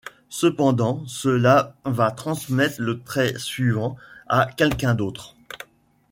Cependant, cela va transmettre le trait suivant à quelqu'un d'autre.